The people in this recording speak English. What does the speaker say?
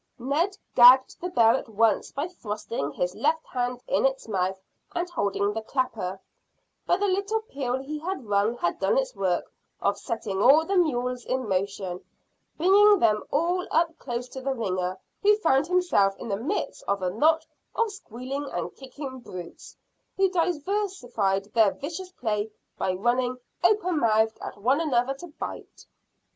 Ned gagged the bell at once by thrusting his left hand in its mouth and holding the clapper; but the little peal he had rung had done its work of setting all the mules in motion, bringing them all up close to the ringer, who found himself in the midst of a knot of squealing and kicking brutes, who diversified their vicious play by running open mouthed at one another to bite.